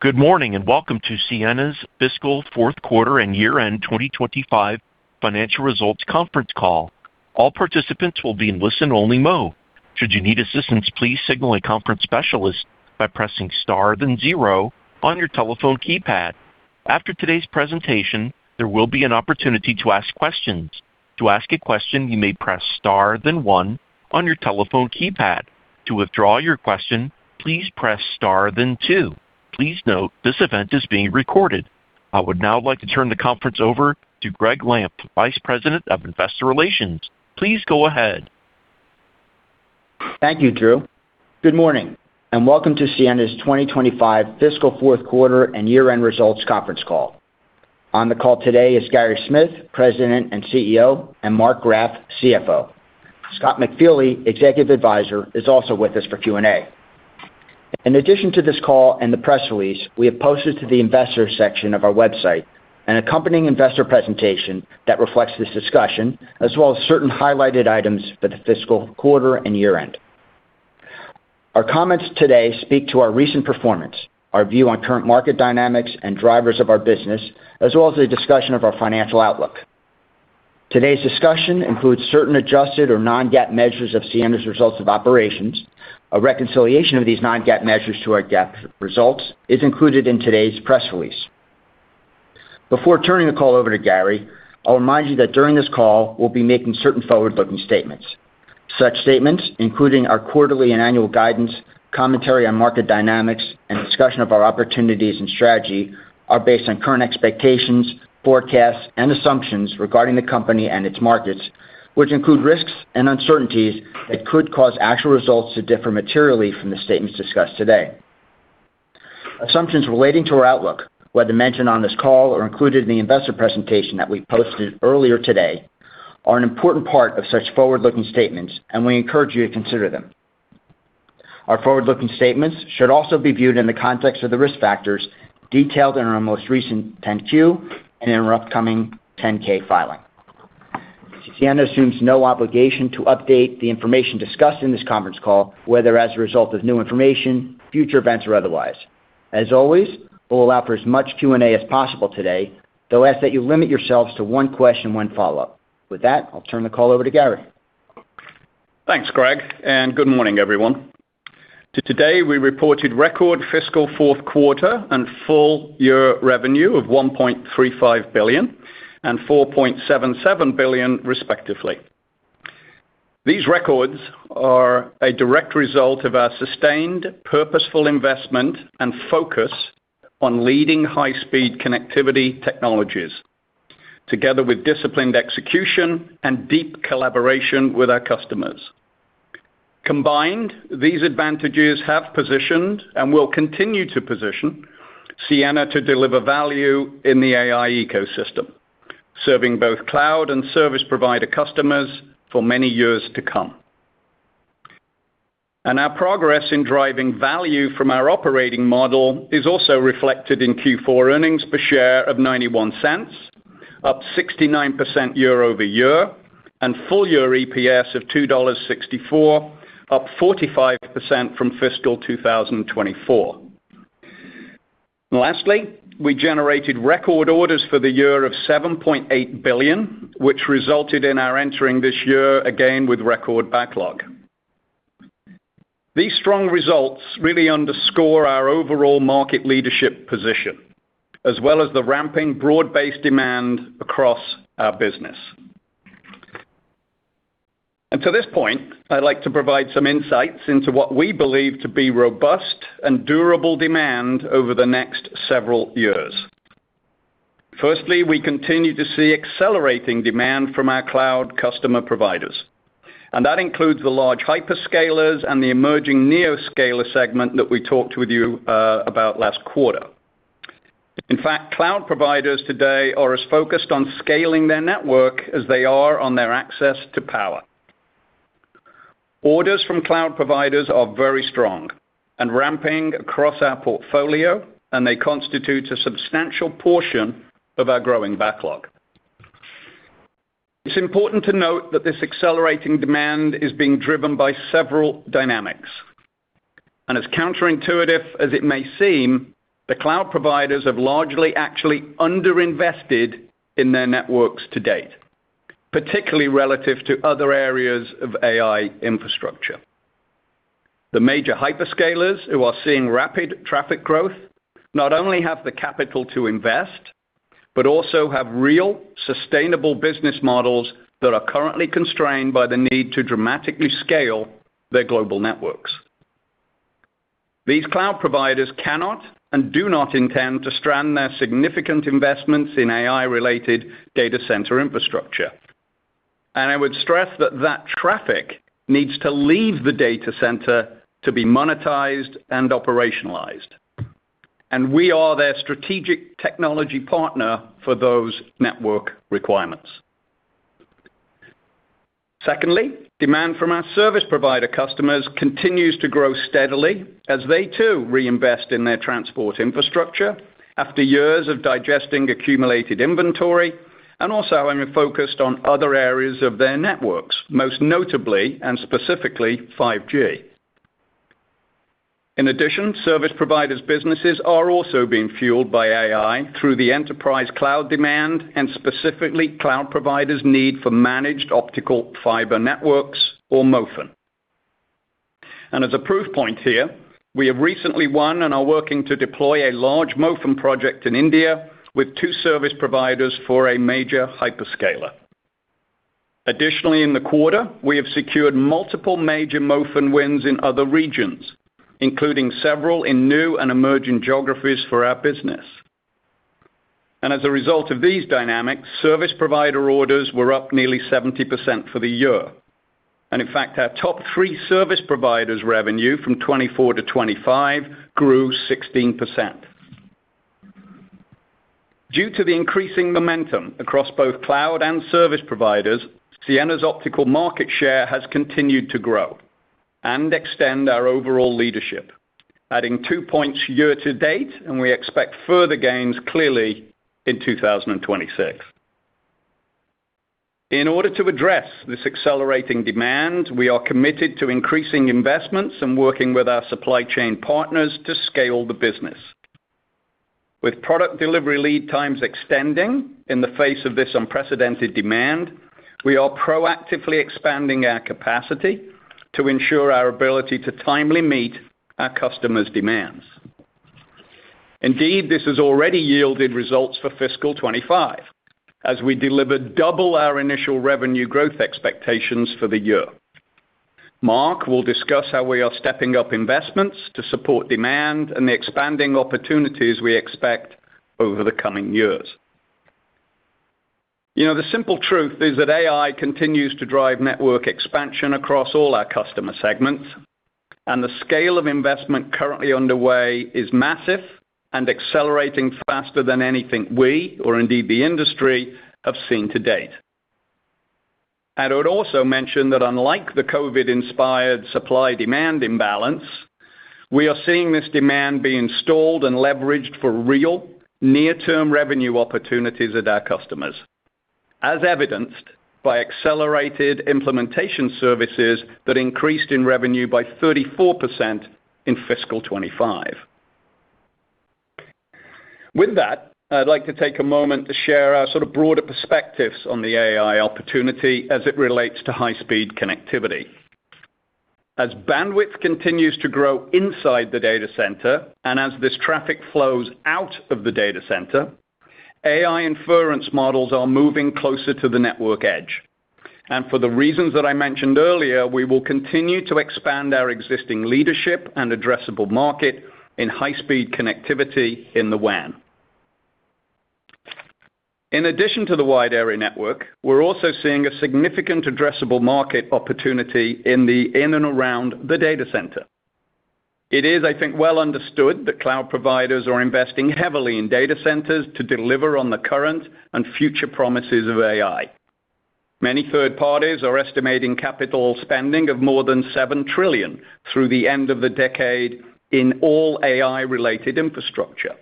Good morning and welcome to Ciena's Fiscal Fourth Quarter and Year-End 2025 Financial Results Conference Call. All participants will be in listen-only mode. Should you need assistance, please signal a conference specialist by pressing star then zero on your telephone keypad. After today's presentation, there will be an opportunity to ask questions. To ask a question, you may press star then one on your telephone keypad. To withdraw your question, please press star then two. Please note this event is being recorded. I would now like to turn the conference over to Gregg Lampf, Vice President of Investor Relations. Please go ahead. Thank you, Drew. Good morning and welcome to Ciena's 2025 Fiscal Fourth Quarter and Year-End Results Conference Call. On the call today is Gary Smith, President and CEO, and Marc Graff, CFO. Scott McFeely, Executive Advisor, is also with us for Q&A. In addition to this call and the press release, we have posted to the Investor section of our website an accompanying investor presentation that reflects this discussion, as well as certain highlighted items for the fiscal quarter and year-end. Our comments today speak to our recent performance, our view on current market dynamics and drivers of our business, as well as a discussion of our financial outlook. Today's discussion includes certain adjusted or non-GAAP measures of Ciena's results of operations. A reconciliation of these non-GAAP measures to our GAAP results is included in today's press release. Before turning the call over to Gary, I'll remind you that during this call, we'll be making certain forward-looking statements. Such statements, including our quarterly and annual guidance, commentary on market dynamics, and discussion of our opportunities and strategy, are based on current expectations, forecasts, and assumptions regarding the company and its markets, which include risks and uncertainties that could cause actual results to differ materially from the statements discussed today. Assumptions relating to our outlook, whether mentioned on this call or included in the investor presentation that we posted earlier today, are an important part of such forward-looking statements, and we encourage you to consider them. Our forward-looking statements should also be viewed in the context of the risk factors detailed in our most recent 10-Q and in our upcoming 10-K filing. Ciena assumes no obligation to update the information discussed in this conference call, whether as a result of new information, future events, or otherwise. As always, we'll allow for as much Q&A as possible today, though ask that you limit yourselves to one question, one follow-up. With that, I'll turn the call over to Gary. Thanks, Gregg, and good morning, everyone. Today, we reported record fiscal fourth quarter and full year revenue of $1.35 billion and $4.77 billion, respectively. These records are a direct result of our sustained purposeful investment and focus on leading high-speed connectivity technologies, together with disciplined execution and deep collaboration with our customers. Combined, these advantages have positioned and will continue to position Ciena to deliver value in the AI ecosystem, serving both cloud and service provider customers for many years to come. And our progress in driving value from our operating model is also reflected in Q4 earnings per share of $0.91, up 69% year-over-year, and full year EPS of $2.64, up 45% from fiscal 2024. Lastly, we generated record orders for the year of $7.8 billion, which resulted in our entering this year again with record backlog. These strong results really underscore our overall market leadership position, as well as the ramping broad-based demand across our business. And to this point, I'd like to provide some insights into what we believe to be robust and durable demand over the next several years. Firstly, we continue to see accelerating demand from our cloud customers and providers, and that includes the large hyperscalers and the emerging neoscaler segment that we talked with you about last quarter. In fact, cloud providers today are as focused on scaling their network as they are on their access to power. Orders from cloud providers are very strong and ramping across our portfolio, and they constitute a substantial portion of our growing backlog. It's important to note that this accelerating demand is being driven by several dynamics. As counterintuitive as it may seem, the cloud providers have largely actually underinvested in their networks to date, particularly relative to other areas of AI infrastructure. The major hyperscalers who are seeing rapid traffic growth not only have the capital to invest, but also have real sustainable business models that are currently constrained by the need to dramatically scale their global networks. These cloud providers cannot and do not intend to strand their significant investments in AI-related data center infrastructure. I would stress that that traffic needs to leave the data center to be monetized and operationalized. We are their strategic technology partner for those network requirements. Secondly, demand from our service provider customers continues to grow steadily as they too reinvest in their transport infrastructure after years of digesting accumulated inventory, and also having focused on other areas of their networks, most notably and specifically 5G. In addition, service providers' businesses are also being fueled by AI through the enterprise cloud demand and specifically cloud providers' need for managed optical fiber networks, or MOFEN. And as a proof point here, we have recently won and are working to deploy a large MOFEN project in India with two service providers for a major hyperscaler. Additionally, in the quarter, we have secured multiple major MOFEN wins in other regions, including several in new and emerging geographies for our business. And as a result of these dynamics, service provider orders were up nearly 70% for the year. And in fact, our top three service providers' revenue from 2024 to 2025 grew 16%. Due to the increasing momentum across both cloud and service providers, Ciena's optical market share has continued to grow and extend our overall leadership, adding two points year to date, and we expect further gains clearly in 2026. In order to address this accelerating demand, we are committed to increasing investments and working with our supply chain partners to scale the business. With product delivery lead times extending in the face of this unprecedented demand, we are proactively expanding our capacity to ensure our ability to timely meet our customers' demands. Indeed, this has already yielded results for fiscal 2025, as we delivered double our initial revenue growth expectations for the year. Marc will discuss how we are stepping up investments to support demand and the expanding opportunities we expect over the coming years. The simple truth is that AI continues to drive network expansion across all our customer segments, and the scale of investment currently underway is massive and accelerating faster than anything we, or indeed the industry, have seen to date. I would also mention that unlike the COVID-inspired supply-demand imbalance, we are seeing this demand being stalled and leveraged for real near-term revenue opportunities at our customers, as evidenced by accelerated implementation services that increased in revenue by 34% in fiscal 2025. With that, I'd like to take a moment to share our sort of broader perspectives on the AI opportunity as it relates to high-speed connectivity. As bandwidth continues to grow inside the data center and as this traffic flows out of the data center, AI inference models are moving closer to the network edge. And for the reasons that I mentioned earlier, we will continue to expand our existing leadership and addressable market in high-speed connectivity in the WAN. In addition to the wide area network, we're also seeing a significant addressable market opportunity in and around the data center. It is, I think, well understood that cloud providers are investing heavily in data centers to deliver on the current and future promises of AI. Many third parties are estimating capital spending of more than $7 trillion through the end of the decade in all AI-related infrastructure.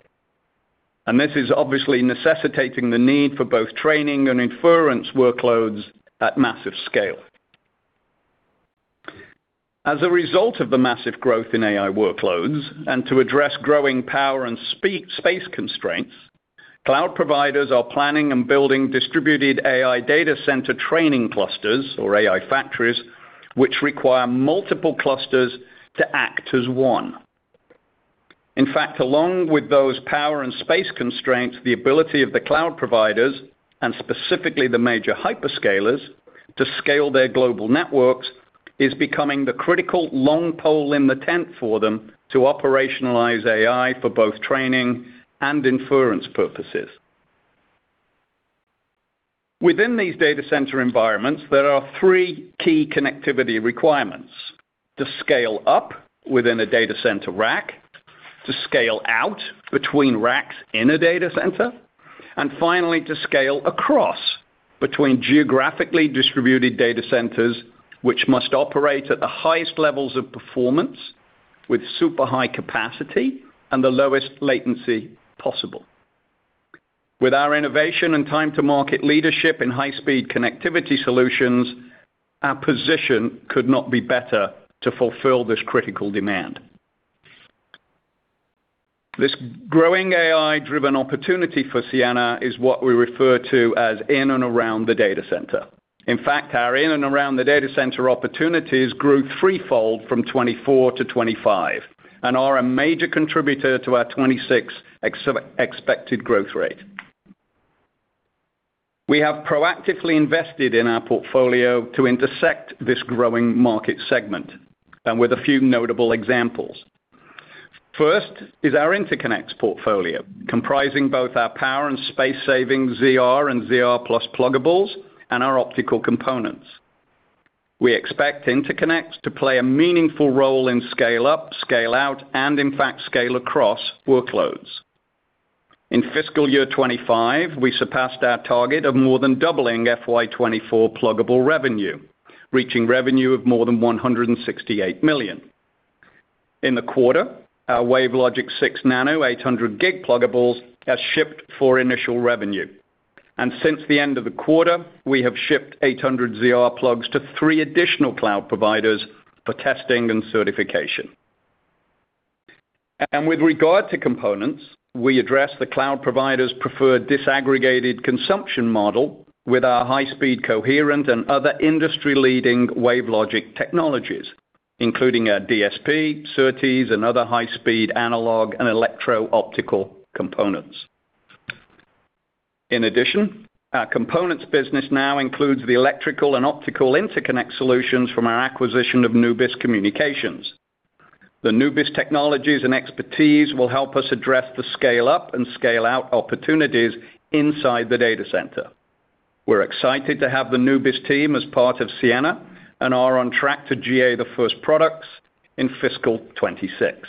And this is obviously necessitating the need for both training and inference workloads at massive scale. As a result of the massive growth in AI workloads and to address growing power and space constraints, cloud providers are planning and building distributed AI data center training clusters, or AI factories, which require multiple clusters to act as one. In fact, along with those power and space constraints, the ability of the cloud providers, and specifically the major hyperscalers, to scale their global networks is becoming the critical long pole in the tent for them to operationalize AI for both training and inference purposes. Within these data center environments, there are three key connectivity requirements: to scale up within a data center rack, to scale out between racks in a data center, and finally, to scale across between geographically distributed data centers, which must operate at the highest levels of performance with super high capacity and the lowest latency possible. With our innovation and time-to-market leadership in high-speed connectivity solutions, our position could not be better to fulfill this critical demand. This growing AI-driven opportunity for Ciena is what we refer to as in and around the data center. In fact, our in and around the data center opportunities grew threefold from 2024 to 2025 and are a major contributor to our 2026 expected growth rate. We have proactively invested in our portfolio to intersect this growing market segment, and with a few notable examples. First is our interconnects portfolio, comprising both our power and space-saving ZR and ZR Plus pluggables and our optical components. We expect interconnects to play a meaningful role in scale-up, scale-out, and in fact, scale-across workloads. In fiscal year 2025, we surpassed our target of more than doubling FY 2024 pluggable revenue, reaching revenue of more than $168 million. In the quarter, our WaveLogic 6 Nano 800G pluggables have shipped for initial revenue, and since the end of the quarter, we have shipped 800 ZR plugs to three additional cloud providers for testing and certification, and with regard to components, we address the cloud providers' preferred disaggregated consumption model with our high-speed coherent and other industry-leading WaveLogic technologies, including our DSP, SerDes, and other high-speed analog and electro-optical components. In addition, our components business now includes the electrical and optical interconnect solutions from our acquisition of Nubis Communications. The Nubis technologies and expertise will help us address the scale-up and scale-out opportunities inside the data center. We're excited to have the Nubis team as part of Ciena and are on track to GA the first products in fiscal 2026.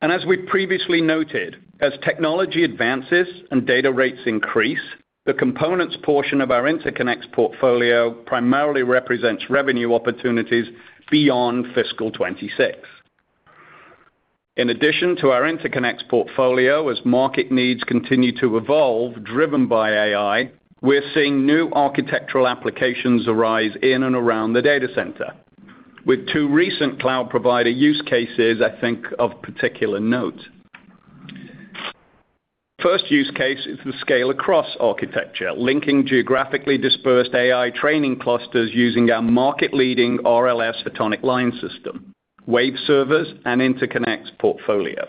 As we previously noted, as technology advances and data rates increase, the components portion of our interconnects portfolio primarily represents revenue opportunities beyond fiscal '26. In addition to our interconnects portfolio, as market needs continue to evolve driven by AI, we're seeing new architectural applications arise in and around the data center, with two recent cloud provider use cases, I think, of particular note. First use case is the scale-across architecture, linking geographically dispersed AI training clusters using our market-leading RLS photonic line system, WaveServers, and interconnects portfolio.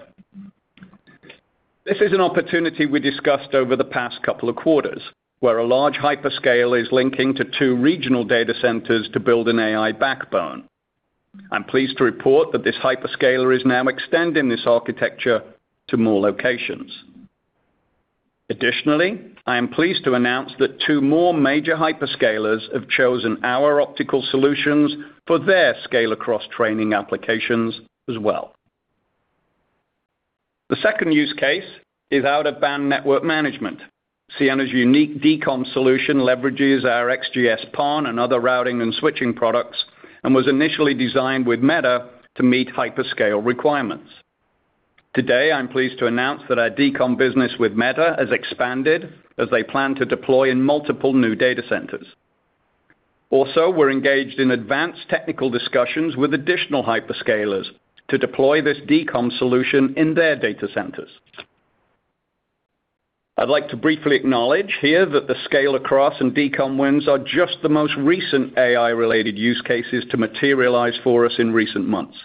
This is an opportunity we discussed over the past couple of quarters, where a large hyperscaler is linking to two regional data centers to build an AI backbone. I'm pleased to report that this hyperscaler is now extending this architecture to more locations. Additionally, I am pleased to announce that two more major hyperscalers have chosen our optical solutions for their scale-across training applications as well. The second use case is out of band network management. Ciena's unique DCOM solution leverages our XGS-PON and other routing and switching products and was initially designed with Meta to meet hyperscale requirements. Today, I'm pleased to announce that our DCOM business with Meta has expanded as they plan to deplo y in multiple new data centers. Also, we're engaged in advanced technical discussions with additional hyperscalers to deploy this DCOM solution in their data centers. I'd like to briefly acknowledge here that the scale-across and DCOM wins are just the most recent AI-related use cases to materialize for us in recent months.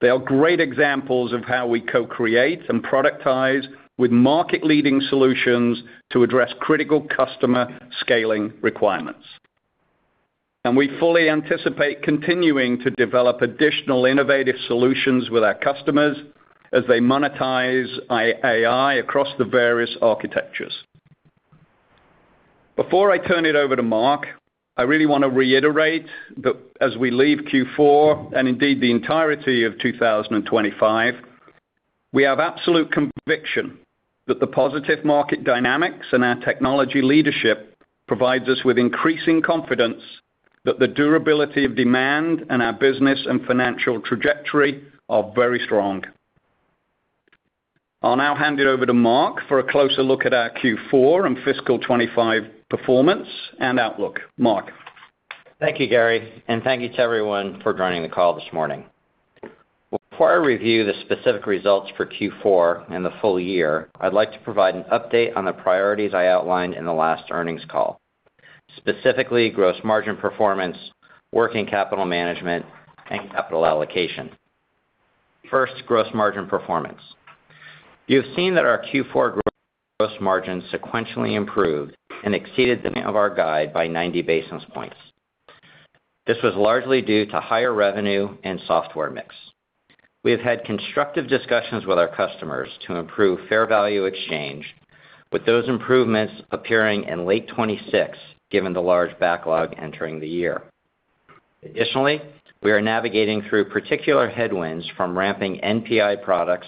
They are great examples of how we co-create and productize with market-leading solutions to address critical customer scaling requirements. We fully anticipate continuing to develop additional innovative solutions with our customers as they monetize AI across the various architectures. Before I turn it over to Marc, I really want to reiterate that as we leave Q4 and indeed the entirety of 2025, we have absolute conviction that the positive market dynamics and our technology leadership provides us with increasing confidence that the durability of demand and our business and financial trajectory are very strong. I'll now hand it over to Marc for a closer look at our Q4 and fiscal '25 performance and outlook. Marc. Thank you, Gary, and thank you to everyone for joining the call this morning. Before I review the specific results for Q4 and the full year, I'd like to provide an update on the priorities I outlined in the last earnings call, specifically gross margin performance, working capital management, and capital allocation. First, gross margin performance. You've seen that our Q4 gross margin sequentially improved and exceeded the midpoint of our guide by 90 basis points. This was largely due to higher revenue and software mix. We have had constructive discussions with our customers to improve fair value exchange, with those improvements appearing in late 2026 given the large backlog entering the year. Additionally, we are navigating through particular headwinds from ramping NPI products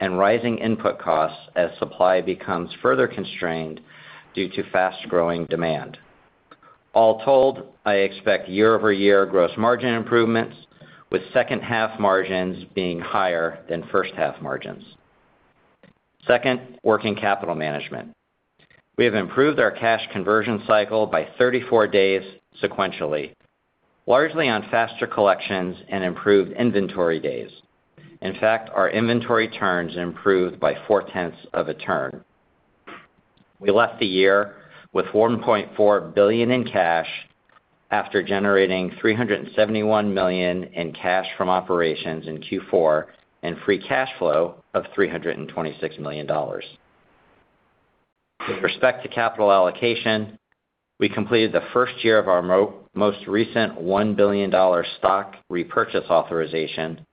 and rising input costs as supply becomes further constrained due to fast-growing demand. All told, I expect year-over-year gross margin improvements, with second-half margins being higher than first-half margins. Second, working capital management. We have improved our cash conversion cycle by 34 days sequentially, largely on faster collections and improved inventory days. In fact, our inventory turns improved by four tenths of a turn. We left the year with $1.4 billion in cash after generating $371 million in cash from operations in Q4 and free cash flow of $326 million. With respect to capital allocation, we completed the first year of our most recent $1 billion stock repurchase authorization,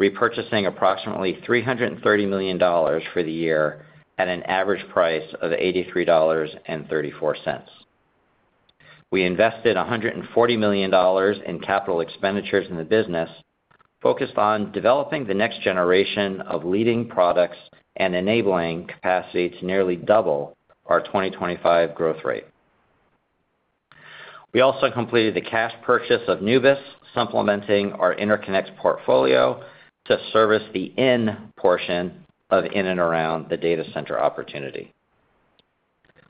repurchasing approximately $330 million for the year at an average price of $83.34. We invested $140 million in capital expenditures in the business, focused on developing the next generation of leading products and enabling capacity to nearly double our 2025 growth rate. We also completed the cash purchase of Nubis, supplementing our interconnects portfolio to service the in portion of in and around the data center opportunity.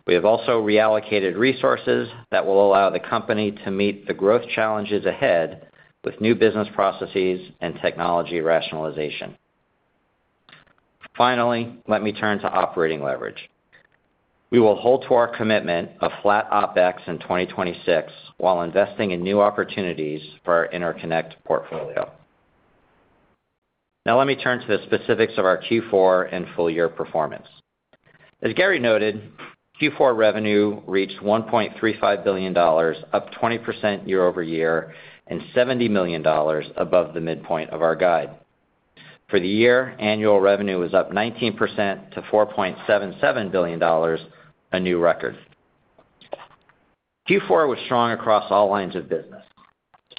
We have also reallocated resources that will allow the company to meet the growth challenges ahead with new business processes and technology rationalization. Finally, let me turn to operating leverage. We will hold to our commitment of flat OpEx in 2026 while investing in new opportunities for our interconnect portfolio. Now, let me turn to the specifics of our Q4 and full-year performance. As Gary noted, Q4 revenue reached $1.35 billion, up 20% year-over-year, and $70 million above the midpoint of our guide. For the year, annual revenue was up 19% to $4.77 billion, a new record. Q4 was strong across all lines of business.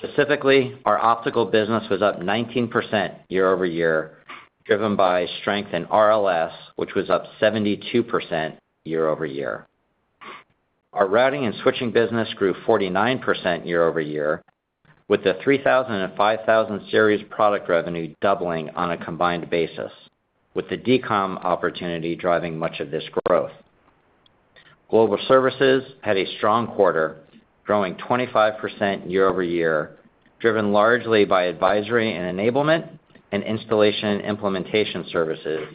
Specifically, our optical business was up 19% year-over-year, driven by strength in RLS, which was up 72% year-over-year. Our routing and switching business grew 49% year-over-year, with the 3000 and 5000 series product revenue doubling on a combined basis, with the DCOM opportunity driving much of this growth. Global services had a strong quarter, growing 25% year-over-year, driven largely by advisory and enablement and installation implementation services,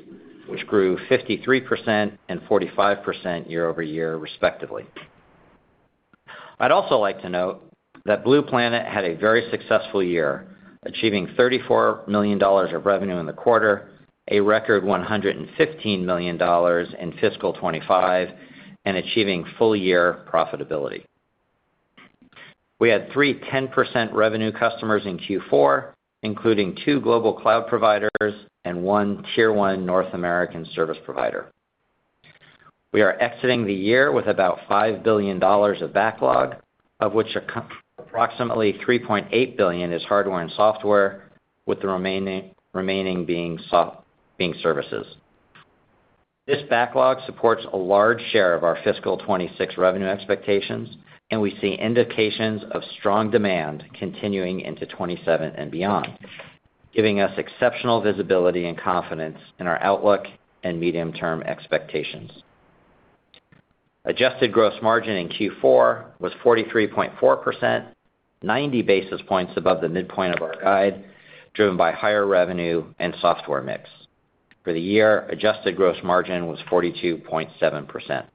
which grew 53% and 45% year-over-year, respectively. I'd also like to note that Blue Planet had a very successful year, achieving $34 million of revenue in the quarter, a record $115 million in fiscal 2025, and achieving full-year profitability. We had three 10% revenue customers in Q4, including two global cloud providers and one tier one North American service provider. We are exiting the year with about $5 billion of backlog, of which approximately $3.8 billion is hardware and software, with the remaining being services. This backlog supports a large share of our fiscal 2026 revenue expectations, and we see indications of strong demand continuing into 2027 and beyond, giving us exceptional visibility and confidence in our outlook and medium-term expectations. Adjusted gross margin in Q4 was 43.4%, 90 basis points above the midpoint of our guide, driven by higher revenue and software mix. For the year, adjusted gross margin was 42.7%.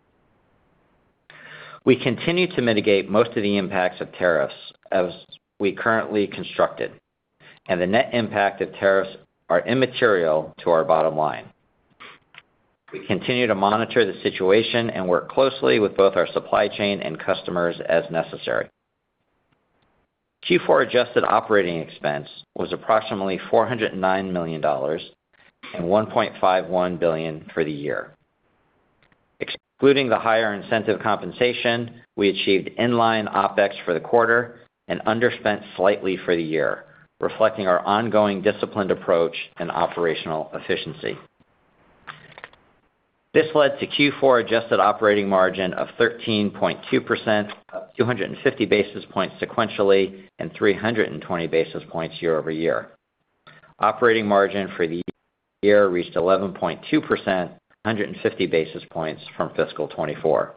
We continue to mitigate most of the impacts of tariffs as we're currently constructed, and the net impact of tariffs is immaterial to our bottom line. We continue to monitor the situation and work closely with both our supply chain and customers as necessary. Q4 adjusted operating expense was approximately $409 million and $1.51 billion for the year. Excluding the higher incentive compensation, we achieved inline OpEx for the quarter and underspent slightly for the year, reflecting our ongoing disciplined approach and operational efficiency. This led to Q4 adjusted operating margin of 13.2%, up 250 basis points sequentially and 320 basis points year-over-year. Operating margin for the year reached 11.2%, 150 basis points from fiscal 2024.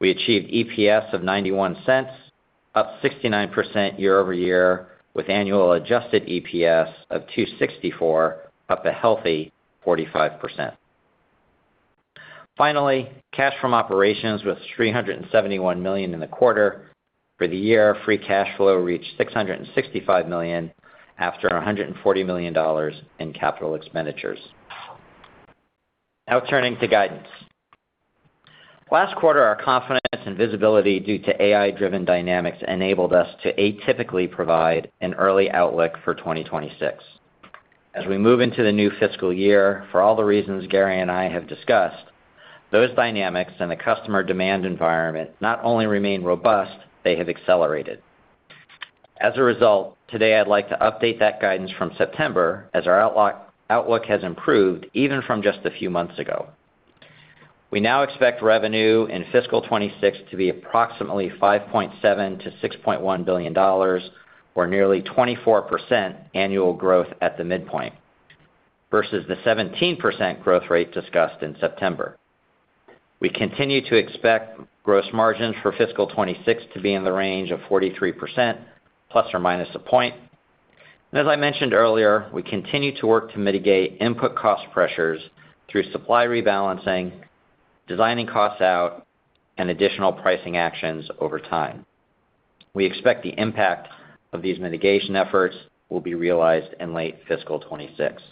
We achieved EPS of $0.91, up 69% year-over-year, with annual adjusted EPS of $2.64, up a healthy 45%. Finally, cash from operations was $371 million in the quarter. For the year, free cash flow reached $665 million after $140 million in capital expenditures. Now turning to guidance. Last quarter, our confidence and visibility due to AI-driven dynamics enabled us to atypically provide an early outlook for 2026. As we move into the new fiscal year, for all the reasons Gary and I have discussed, those dynamics and the customer demand environment not only remain robust, they have accelerated. As a result, today, I'd like to update that guidance from September as our outlook has improved even from just a few months ago. We now expect revenue in fiscal 2026 to be approximately $5.7-$6.1 billion, or nearly 24% annual growth at the midpoint, versus the 17% growth rate discussed in September. We continue to expect gross margins for fiscal 2026 to be in the range of 43%, plus or minus a point. As I mentioned earlier, we continue to work to mitigate input cost pressures through supply rebalancing, designing costs out, and additional pricing actions over time. We expect the impact of these mitigation efforts will be realized in late fiscal 2026.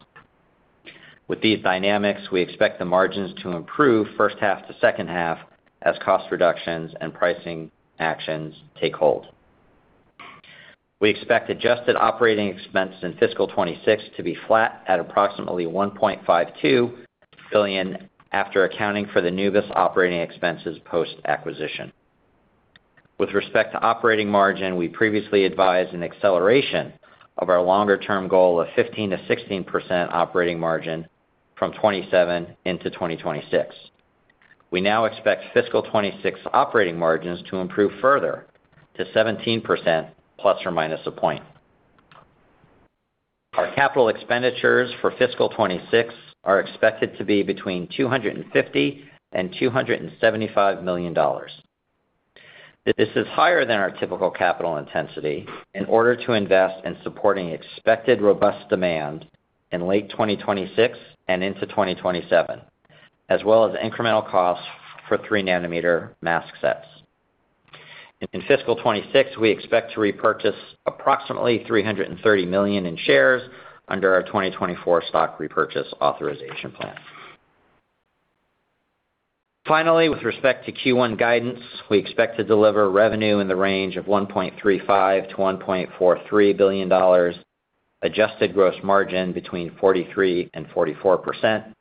With these dynamics, we expect the margins to improve first half to second half as cost reductions and pricing actions take hold. We expect adjusted operating expense in fiscal 2026 to be flat at approximately $1.52 billion after accounting for the Nubis operating expenses post-acquisition. With respect to operating margin, we previously advised an acceleration of our longer-term goal of 15%-16% operating margin from 2027 into 2026. We now expect fiscal 2026 operating margins to im prove further to 17%, plus or minus a point. Our capital expenditures for fiscal 2026 are expected to be between $250 and $275 million. This is higher than our typical capital intensity in order to invest in supporting expected robust demand in late 2026 and into 2027, as well as incremental costs for three-nanometer mask sets. In fiscal 2026, we expect to repurchase approximately $330 million in shares under our 2024 stock repurchase authorization plan. Finally, with respect to Q1 guidance, we expect to deliver revenue in the range of $1.35-$1.43 billion, adjusted gross margin between 43%-44%,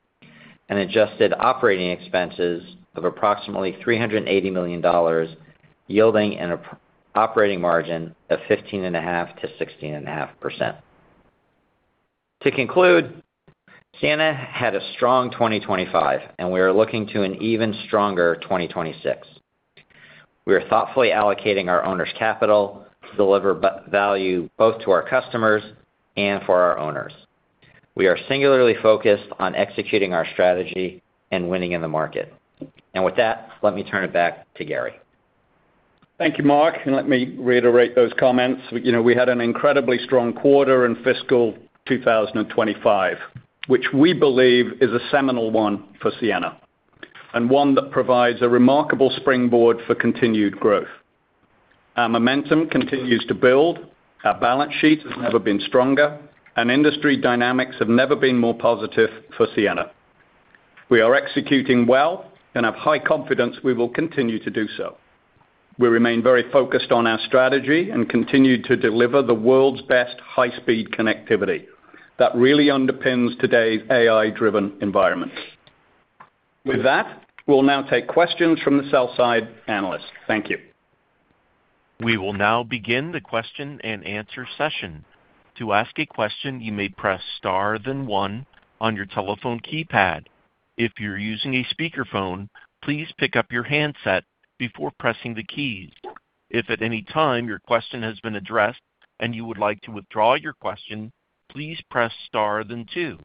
and adjusted operating expenses of approximately $380 million, yielding an operating margin of 15.5%-16.5%. To conclude, Ciena had a strong 2025, and we are looking to an even stronger 2026. We are thoughtfully allocating our owner's capital to deliver value both to our customers and for our owners. We are singularly focused on executing our strategy and winning in the market. And with that, let me turn it back to Gary. Thank you, Marc, and let me reiterate those comments. We had an incredibly strong quarter in fiscal 2025, which we believe is a seminal one for Ciena and one that provides a remarkable springboard for continued growth. Our momentum continues to build. Our balance sheet has never been stronger, and industry dynamics have never been more positive for Ciena. We are executing well and have high confidence we will continue to do so. We remain very focused on our strategy and continue to deliver the world's best high-speed connectivity that really underpins today's AI-driven environment. With that, we'll now take questions from the sell-side analyst. Thank you. We will now begin the question and answer session. To ask a question, you may press star then one on your telephone keypad. If you're using a speakerphone, please pick up your handset before pressing the keys. If at any time your question has been addressed and you would like to withdraw your question, please press star then two.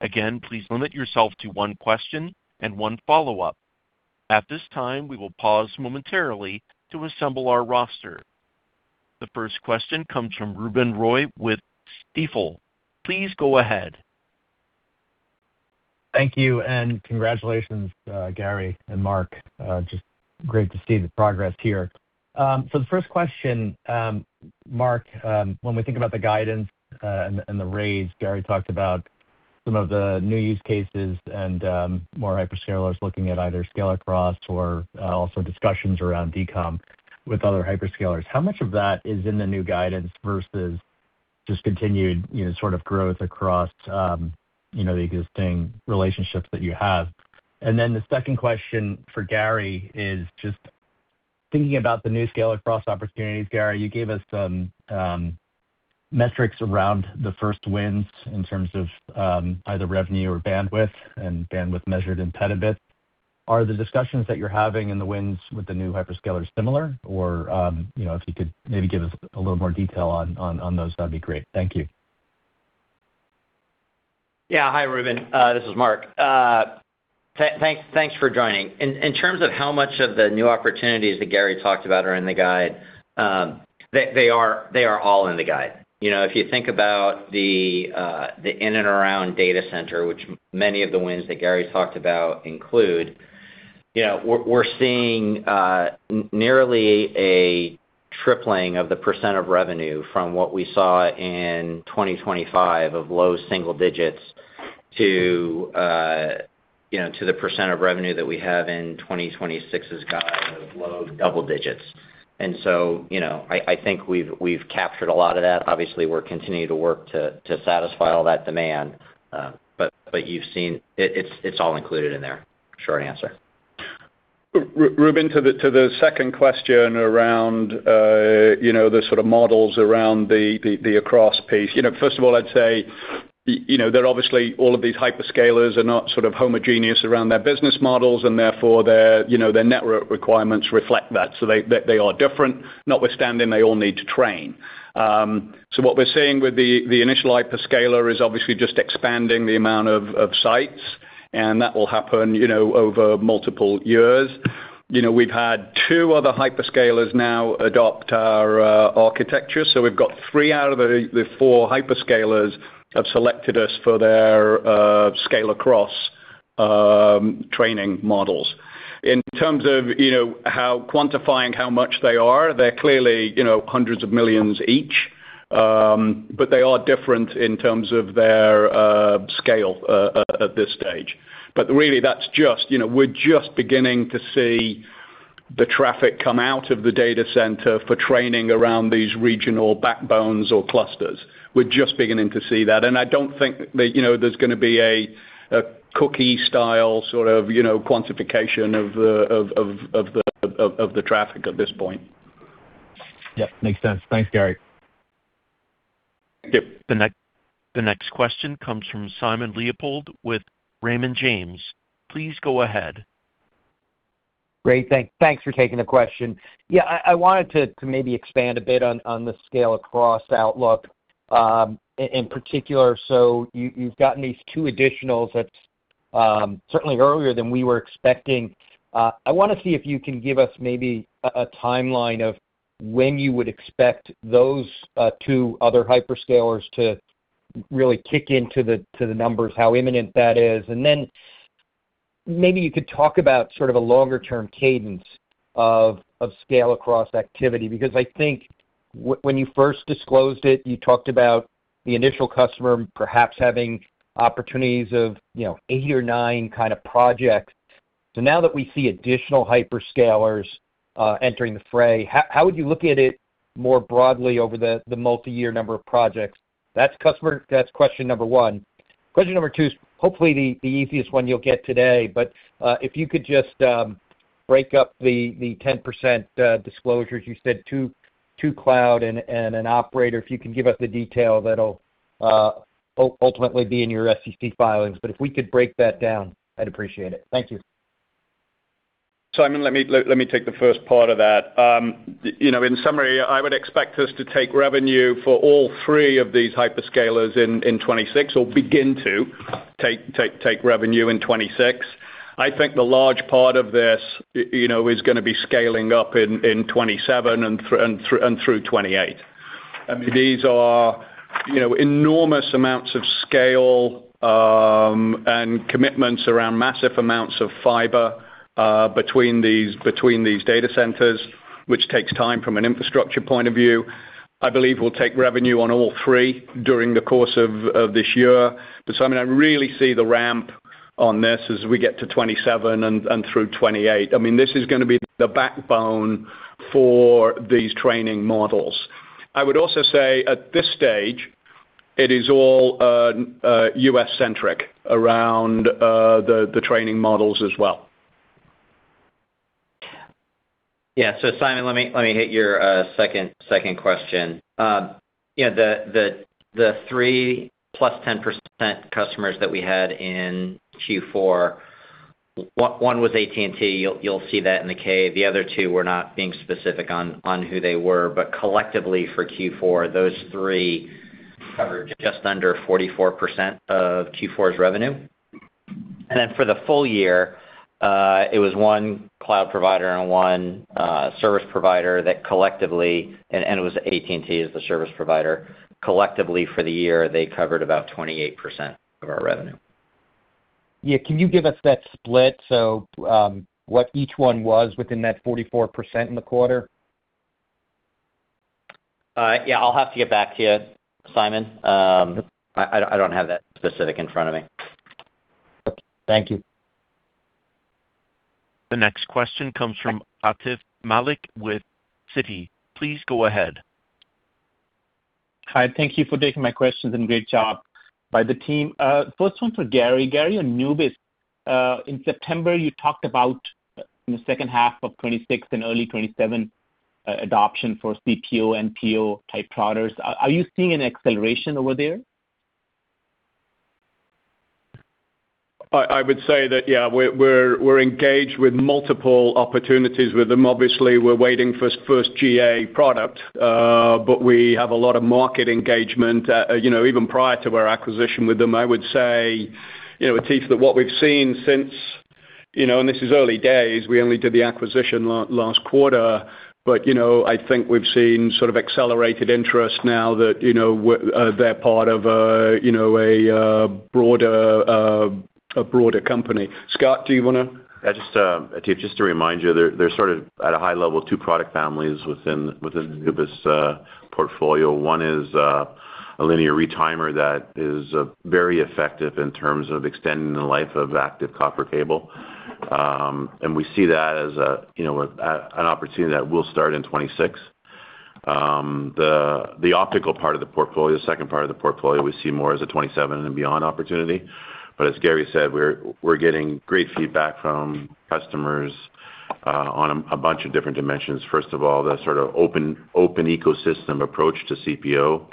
Again, please limit yourself to one question and one follow-up. At this time, we will pause momentarily to assemble our roster. The first question comes from Ruben Roy with Stifel. Please go ahead. Thank you. And congratulations, Gary and Marc. Just great to see the progress here. So the first question, Marc, when we think about the guidance and the raise, Gary talked about some of the new use cases and more hyperscalers looking at either Scale-across or also discussions around DCOM with other hyperscalers. How much of that is in the new guidance versus just continued sort of growth across the existing relationships that you have? And then the second question for Gary is just thinking about the new Scale-across opportunities. Gary, you gave us some metrics around the first wins in terms of either revenue or bandwidth, and bandwidth measured in petabit. Are the discussions that you're having in the wins with the new hyperscalers similar, or if you could maybe give us a little more detail on those, that'd be great. Thank you. Yeah. Hi, Ruben. This is Marc. Thanks for joining. In terms of how much of the new opportunities that Gary talked about are in the guide, they are all in the guide. If you think about the in and around data center, which many of the wins that Gary talked about include, we're seeing nearly a tripling of the percent of revenue from what we saw in 2025 of low single digits% to the percent of revenue that we have in 2026's guide of low double digits%. And so I think we've captured a lot of that. Obviously, we're continuing to work to satisfy all that demand, but it's all included in there. Short answer. Ruben, to the second question around the sort of models around the across piece, first of all, I'd say there obviously all of these hyperscalers are not sort of homogeneous around their business models, and therefore their network requirements reflect that. So they are different, notwithstanding they all need to train. So what we're seeing with the initial hyperscaler is obviously just expanding the amount of sites, and that will happen over multiple years. We've had two other hyperscalers now adopt our architecture. So we've got three out of the four hyperscalers have selected us for their scale-across training models. In terms of quantifying how much they are, they're clearly hundreds of millions each, but they are different in terms of their scale at this stage. But really, we're just beginning to see the traffic come out of the data center for training around these regional backbones or clusters. We're just beginning to see that, and I don't think there's going to be a cookie-style sort of quantification of the traffic at this point. Yep. Makes sense. Thanks, Gary. Thank you. The next question comes from Simon Leopold with Raymond James. Please go ahead. Great. Thanks for taking the question. Yeah, I wanted to maybe expand a bit on the Scale-across outlook in particular. So you've gotten these two additionals that's certainly earlier than we were expecting. I want to see if you can give us maybe a timeline of when you would expect those two other hyperscalers to really kick into the numbers, how imminent that is. And then maybe you could talk about sort of a longer-term cadence of Scale-across activity. Because I think when you first disclosed it, you talked about the initial customer perhaps having opportunities of eight or nine kind of projects. So now that we see additional hyperscalers entering the fray, how would you look at it more broadly over the multi-year number of projects? That's question number one. Question number two is hopefully the easiest one you'll get today. But if you could just break up the 10% disclosures, you said two cloud and an operator. If you can give us the detail, that'll ultimately be in your SEC filings. But if we could break that down, I'd appreciate it. Thank you. Simon, let me take the first part of that. In summary, I would expect us to take revenue for all three of these hyperscalers in 2026 or begin to take revenue in 2026. I think the large part of this is going to be scaling up in 2027 and through 2028. I mean, these are enormous amounts of scale and commitments around massive amounts of fiber between these data centers, which takes time from an infrastructure point of view. I believe we'll take revenue on all three during the course of this year. But Simon, I really see the ramp on this as we get to 2027 and through 2028. I mean, this is going to be the backbone for these training models. I would also say at this stage, it is all U.S.-centric around the training models as well. Yeah. So, Simon, let me hit your second question. The three plus 10% customers that we had in Q4, one was AT&T. You'll see that in the K. The other two were not being specific on who they were. But collectively for Q4, those three covered just under 44% of Q4's revenue. And then for the full year, it was one cloud provider and one service provider that collectively—and it was AT&T as the service provider—collectively for the year, they covered about 28% of our revenue. Yeah. Can you give us that split? So what each one was within that 44% in the quarter? Yeah. I'll have to get back to you, Simon. I don't have that specific in front of me. Okay. Thank you. The next question comes from Atif Malik with Citi. Please go ahead. Hi. Thank you for taking my questions and great job by the team. First one for Gary. Gary on Nubis. In September, you talked about in the second half of 2026 and early 2027 adoption for CPO and PO-type products. Are you seeing an acceleration over there? I would say that, yeah, we're engaged with multiple opportunities with them. Obviously, we're waiting for first GA product, but we have a lot of market engagement even prior to our acquisition with them. I would say, Atif, that what we've seen since, and this is early days, we only did the acquisition last quarter. But I think we've seen sort of accelerated interest now that they're part of a broader company. Scott, do you want to? Yeah. Just Atif, just to remind you, they're sort of at a high level two product families within Nubis' portfolio. One is a linear retimer that is very effective in terms of extending the life of active copper cable. And we see that as an opportunity that will start in 2026. The optical part of the portfolio, the second part of the portfolio, we see more as a 2027 and beyond opportunity. But as Gary said, we're getting great feedback from customers on a bunch of different dimensions. First of all, the sort of open ecosystem approach to CPO.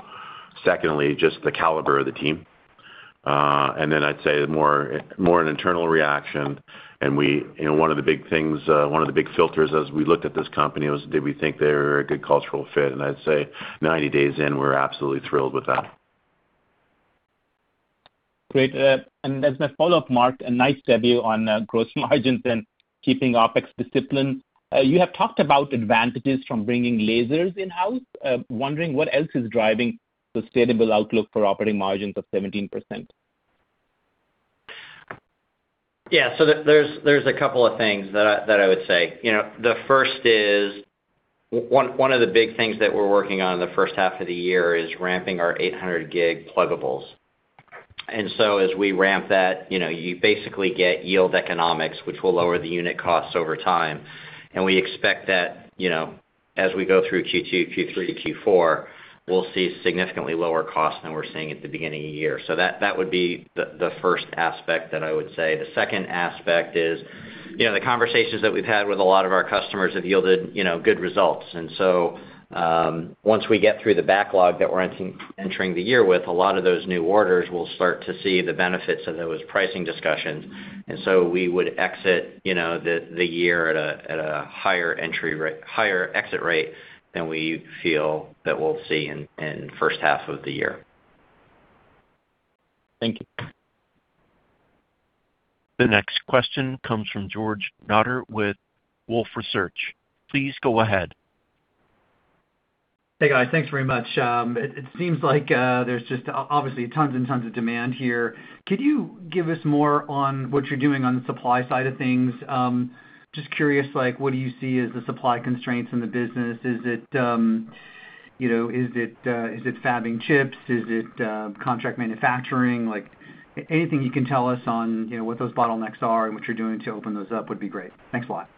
Secondly, just the caliber of the team. And then I'd say more an internal reaction. And one of the big things, one of the big filters as we looked at this company was, did we think they're a good cultural fit? I'd say 90 days in, we're absolutely thrilled with that. Great. And as my follow-up, Marc, a nice debut on gross margins and keeping OpEx discipline. You have talked about advantages from bringing lasers in-house. Wondering what else is driving sustainable outlook for operating margins of 17%? Yeah. So there's a couple of things that I would say. The first is one of the big things that we're working on in the first half of the year is ramping our 800-gig pluggables. And so as we ramp that, you basically get yield economics, which will lower the unit costs over time. And we expect that as we go through Q2, Q3, Q4, we'll see significantly lower costs than we're seeing at the beginning of the year. So that would be the first aspect that I would say. The second aspect is the conversations that we've had with a lot of our customers have yielded good results. And so once we get through the backlog that we're entering the year with, a lot of those new orders will start to see the benefits of those pricing discussions. And so we would exit the year at a higher exit rate than we feel that we'll see in the first half of the year. Thank you. The next question comes from George Notter with Wolfe Research. Please go ahead. Hey, guys. Thanks very much. It seems like there's just obviously tons and tons of demand here. Could you give us more on what you're doing on the supply side of things? Just curious, what do you see as the supply constraints in the business? Is it fabbing chips? Is it contract manufacturing? Anything you can tell us on what those bottlenecks are and what you're doing to open those up would be great. Thanks a lot.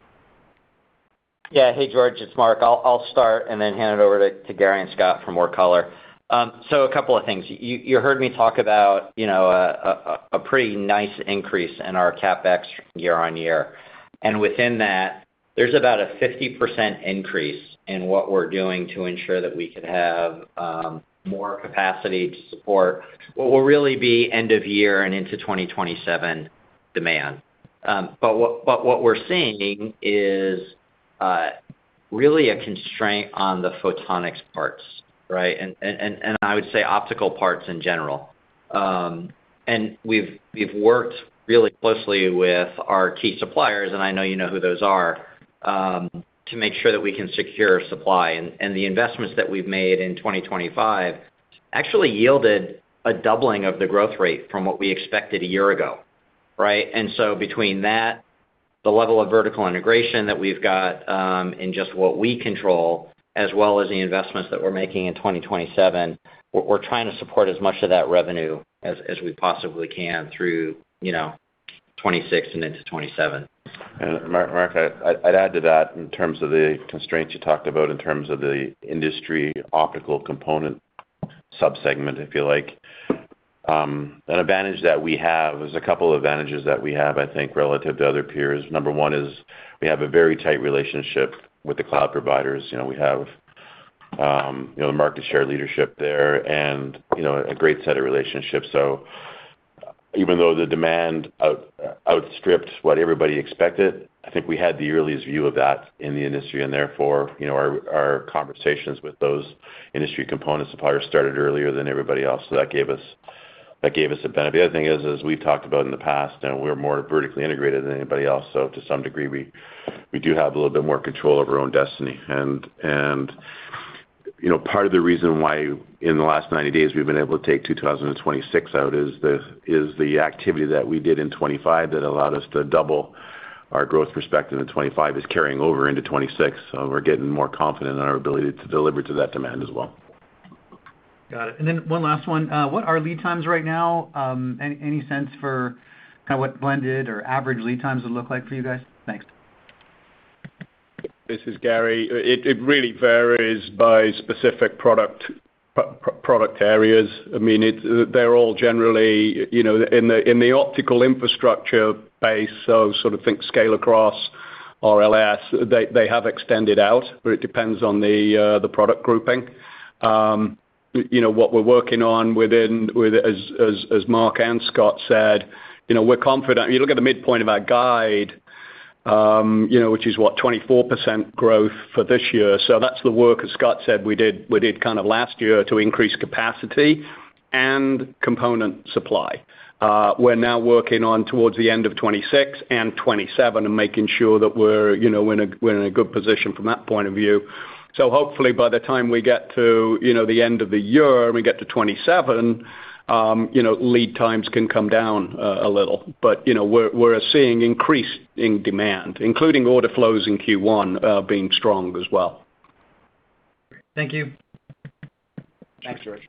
Yeah. Hey, George. It's Marc. I'll start and then hand it over to Gary and Scott for more color. So a couple of things. You heard me talk about a pretty nice increase in our CapEx year on year. And within that, there's about a 50% increase in what we're doing to ensure that we could have more capacity to support what will really be end-of-year and into 2027 demand. But what we're seeing is really a constraint on the photonics parts, right? And I would say optical parts in general. And we've worked really closely with our key suppliers, and I know you know who those are, to make sure that we can secure supply. And the investments that we've made in 2025 actually yielded a doubling of the growth rate from what we expected a year ago, right? And so between that, the level of vertical integration that we've got in just what we control, as well as the investments that we're making in 2027, we're trying to support as much of that revenue as we possibly can through 2026 and into 2027. And Marc, I'd add to that in terms of the constraints you talked about in terms of the industry optical component subsegment, if you like. An advantage that we have, there's a couple of advantages that we have, I think, relative to other peers. Number one is we have a very tight relationship with the cloud providers. We have the market share leadership there and a great set of relationships. So even though the demand outstripped what everybody expected, I think we had the earliest view of that in the industry. And therefore, our conversations with those industry component suppliers started earlier than everybody else. So that gave us a benefit. The other thing is, as we've talked about in the past, we're more vertically integrated than anybody else. So to some degree, we do have a little bit more control of our own destiny. Part of the reason why in the last 90 days we've been able to take 2026 out is the activity that we did in 2025 that allowed us to double our growth perspective in 2025 is carrying over into 2026. So we're getting more confident in our ability to deliver to that demand as well. Got it. And then one last one. What are lead times right now? Any sense for kind of what blended or average lead times would look like for you guys? Thanks. This is Gary. It really varies by specific product areas. I mean, they're all generally in the optical infrastructure base. So sort of think scale-across or RLS, they have extended out, but it depends on the product grouping. What we're working on within, as Marc and Scott said, we're confident. You look at the midpoint of our guide, which is what, 24% growth for this year. So that's the work, as Scott said, we did kind of last year to increase capacity and component supply. We're now working on towards the end of 2026 and 2027 and making sure that we're in a good position from that point of view. So hopefully, by the time we get to the end of the year and we get to 2027, lead times can come down a little. But we're seeing increase in demand, including order flows in Q1 being strong as well. Thank you. Thanks, George.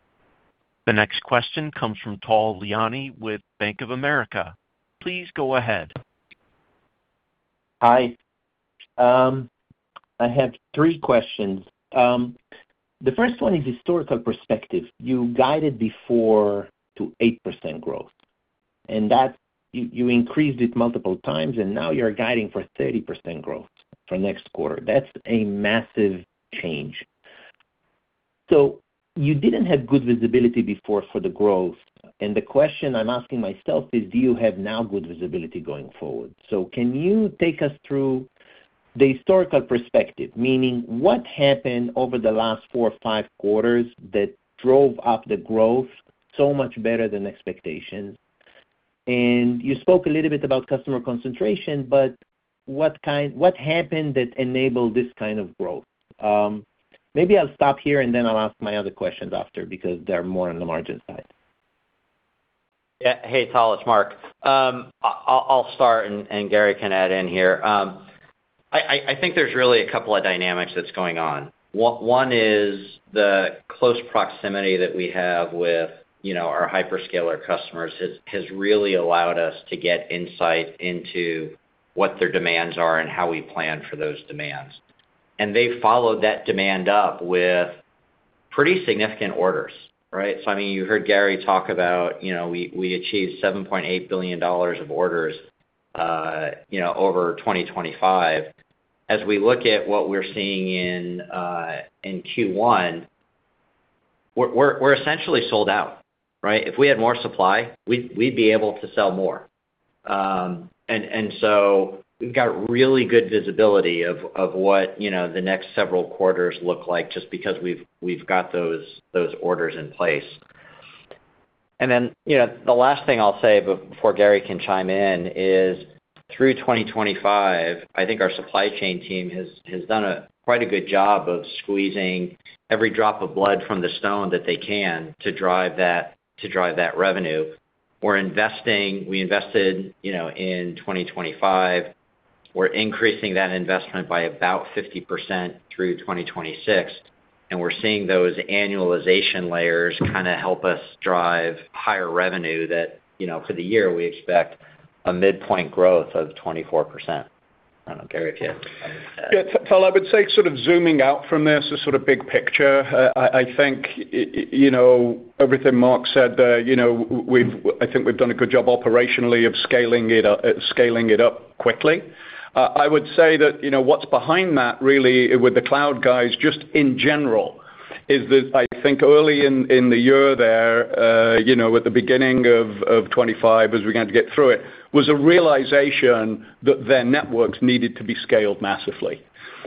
The next question comes from Tal Liani with Bank of America. Please go ahead. Hi. I have three questions. The first one is historical perspective. You guided before to 8% growth, and you increased it multiple times, and now you're guiding for 30% growth for next quarter. That's a massive change, so you didn't have good visibility before for the growth, and the question I'm asking myself is, do you have now good visibility going forward, so can you take us through the historical perspective, meaning what happened over the last four or five quarters that drove up the growth so much better than expectations, and you spoke a little bit about customer concentration, but what happened that enabled this kind of growth? Maybe I'll stop here and then I'll ask my other questions after because they're more on the margin side. Yeah. Hey, Tal. It's Marc. I'll start, and Gary can add in here. I think there's really a couple of dynamics that's going on. One is the close proximity that we have with our hyperscaler customers has really allowed us to get insight into what their demands are and how we plan for those demands. And they follow that demand up with pretty significant orders, right? So I mean, you heard Gary talk about we achieved $7.8 billion of orders over 2025. As we look at what we're seeing in Q1, we're essentially sold out, right? If we had more supply, we'd be able to sell more. And so we've got really good visibility of what the next several quarters look like just because we've got those orders in place. And then the last thing I'll say before Gary can chime in is through 2025, I think our supply chain team has done quite a good job of squeezing every drop of blood from the stone that they can to drive that revenue. We invested in 2025. We're increasing that investment by about 50% through 2026. And we're seeing those annualization layers kind of help us drive higher revenue. That for the year, we expect a midpoint growth of 24%. I don't know, Gary, if you had something to add. Yeah. Tal, I would say sort of zooming out from this is sort of big picture. I think everything Marc said there, I think we've done a good job operationally of scaling it up quickly. I would say that what's behind that really with the cloud guys just in general is that I think early in the year there, at the beginning of 2025, as we had to get through it, was a realization that their networks needed to be scaled massively.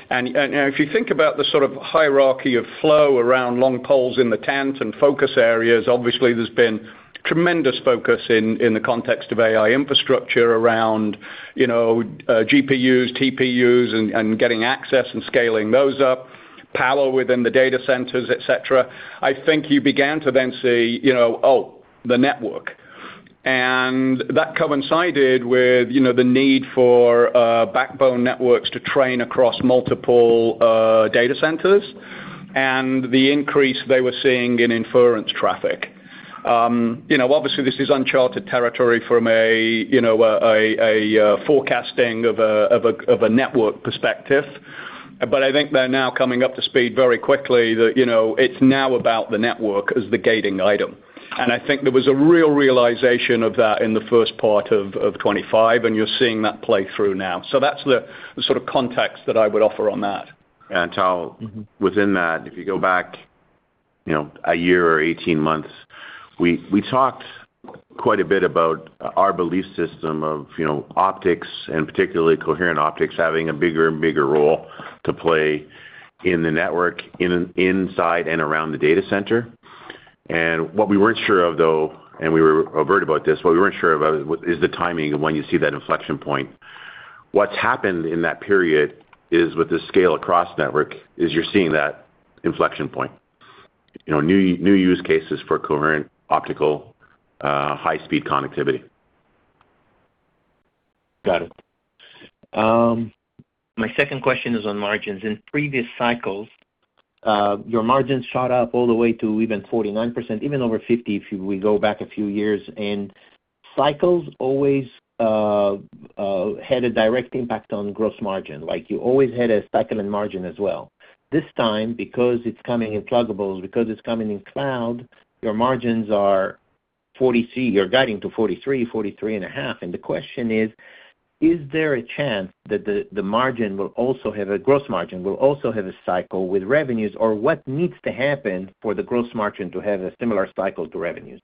And if you think about the sort of hierarchy of flow around long poles in the tent and focus areas, obviously, there's been tremendous focus in the context of AI infrastructure around GPUs, TPUs, and getting access and scaling those up, power within the data centers, etc. I think you began to then see, oh, the network. And that coincided with the need for backbone networks to train across multiple data centers and the increase they were seeing in inference traffic. Obviously, this is uncharted territory from a forecasting of a network perspective. But I think they're now coming up to speed very quickly that it's now about the network as the gating item. And I think there was a real realization of that in the first part of 2025, and you're seeing that play through now. So that's the sort of context that I would offer on that. Yeah. And Tal, within that, if you go back a year or 18 months, we talked quite a bit about our belief system of optics and particularly coherent optics having a bigger and bigger role to play in the network inside and around the data center. And what we weren't sure of, though, and we were overt about this, what we weren't sure of is the timing of when you see that inflection point. What's happened in that period is with the scale-across network is you're seeing that inflection point. New use cases for coherent optical high-speed connectivity. Got it. My second question is on margins. In previous cycles, your margins shot up all the way to even 49%, even over 50% if we go back a few years. And cycles always had a direct impact on gross margin. You always had a cycle in margin as well. This time, because it's coming in pluggables, because it's coming in cloud, your margins are 40%. You're guiding to 43%, 43.5%. And the question is, is there a chance that the margin will also have a gross margin, will also have a cycle with revenues, or what needs to happen for the gross margin to have a similar cycle to revenues?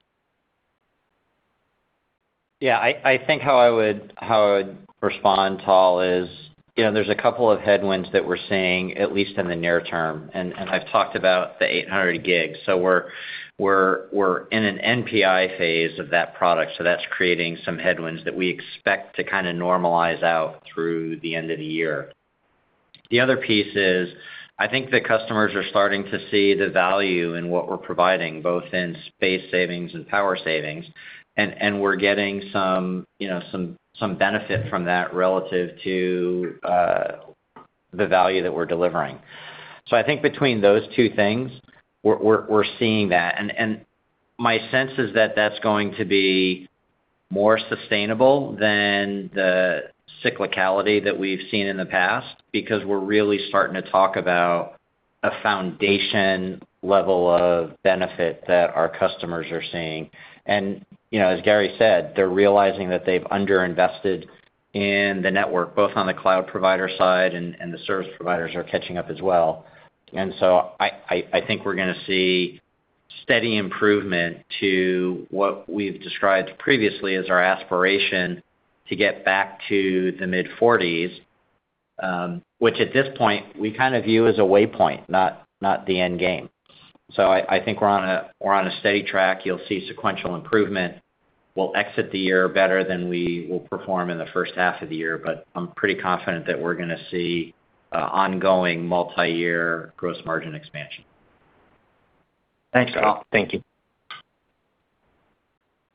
Yeah. I think how I would respond, Tal, is there's a couple of headwinds that we're seeing, at least in the near term. And I've talked about the 800 gigs. So we're in an NPI phase of that product. So that's creating some headwinds that we expect to kind of normalize out through the end of the year. The other piece is I think the customers are starting to see the value in what we're providing, both in space savings and power savings. And we're getting some benefit from that relative to the value that we're delivering. So I think between those two things, we're seeing that. And my sense is that that's going to be more sustainable than the cyclicality that we've seen in the past because we're really starting to talk about a foundation level of benefit that our customers are seeing. As Gary said, they're realizing that they've underinvested in the network, both on the cloud provider side and the service providers are catching up as well. So I think we're going to see steady improvement to what we've described previously as our aspiration to get back to the mid-40s, which at this point, we kind of view as a waypoint, not the end game. I think we're on a steady track. You'll see sequential improvement. We'll exit the year better than we will perform in the first half of the year. I'm pretty confident that we're going to see ongoing multi-year gross margin expansion. Thanks, all. Thank you.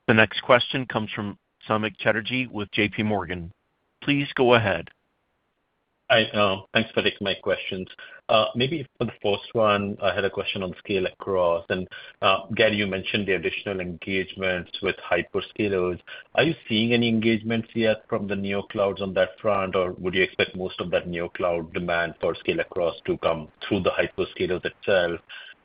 The next question comes from Samik Chatterjee with JPMorgan. Please go ahead. Hi, all. Thanks for taking my questions. Maybe for the first one, I had a question on Scale-across. And Gary, you mentioned the additional engagements with hyperscalers. Are you seeing any engagements yet from the neoscalers on that front, or would you expect most of that neoscaler demand for Scale-across to come through the hyperscalers itself?